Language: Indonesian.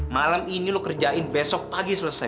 malam ini lu kerjain besok pagi selesai